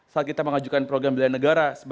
saat kita mengajukan program bela negara